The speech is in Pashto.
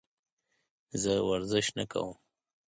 زه ورزش نه کوم.